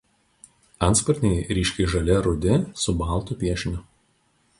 Antsparniai ryškiai žali ar rudi su baltu piešiniu.